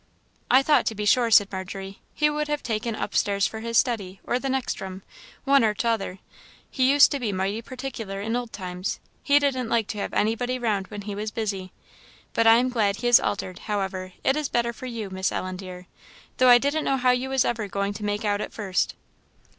"I thought, to be sure," said Margery, "he would have taken upstairs for his study, or the next room, one or t'other; he used to be mighty particular in old times; he didn't like to have anybody round when he was busy; but I am glad he is altered, however; it is better for you, Miss Ellen, dear, though I didn't know how you was ever going to make out at first."